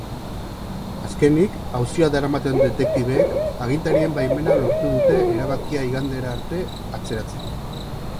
Azkenik, auzia daramaten detektibeek agintarien baimena lortu dute erabakia igandera arte atzeratzeko.